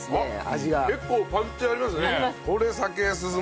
結構パンチありますね。あります。